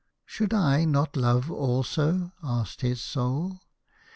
"Should I not love also?" asked his Soul.